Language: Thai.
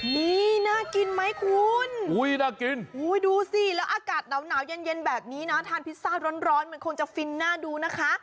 นี่น่ากินไหมคุณน่ากินดูสิแล้วอากาศหนาวเย็นแบบนี้นะทานพิซซ่าร้อนมันคงจะฟินน่าดูนะคะ